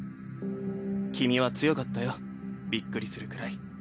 君は強かったよびっくりするくらい。